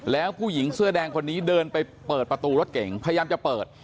แล้วผู้หญิงเสื้อแดงคนนี้เดินไปเปิดประตูรถเก่งพยายามจะเปิด